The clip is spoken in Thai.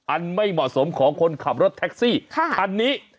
ไม่เหมาะสมของคนขับรถแท็กซี่คันนี้